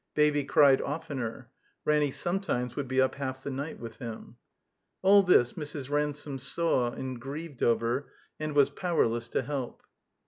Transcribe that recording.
Baby cried oftener. Ranny sometimes would be up half the night with him. All this Mrs. Ransome saw and grieved over and was powerless to help.